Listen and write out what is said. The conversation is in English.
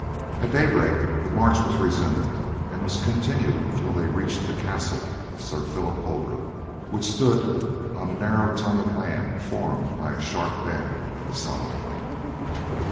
At daybreak the march was resumed, and was continued until they reached the castle of Sir Phillip Holbeaut, which stood on a narrow tongue of land formed by a sharp bend of the Somme.